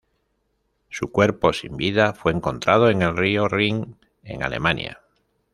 Su cuerpo sin vida fue encontrado en el río Rin, en Alemania.